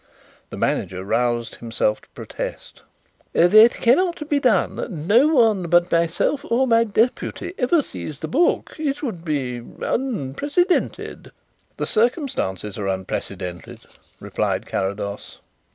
The manager roused himself to protest. "That cannot be done. No one but myself or my deputy ever sees the book. It would be unprecedented." "The circumstances are unprecedented," replied Carrados.